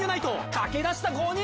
駆け出した５人！